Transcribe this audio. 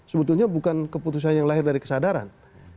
sebetulnya bukan keputusan yang lahir dari kesadaran